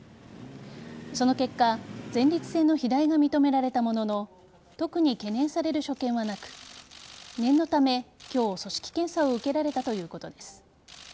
その結果前立腺の肥大が認められたものの特に懸念される所見はなく念のため今日組織検査を受けられたということです。